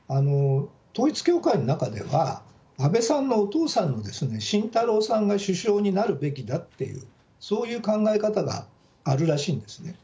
統一教会の中では、安倍さんのお父さんの晋太郎さんが首相になるべきだっていう、そういう考え方があるらしいんですね。